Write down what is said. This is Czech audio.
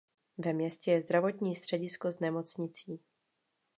Ve městě je zdravotní středisko s nemocnicí.